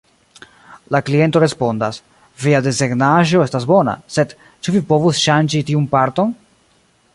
La kliento respondas: "Via desegnaĵo estas bona, sed ĉu vi povus ŝanĝi tiun parton?".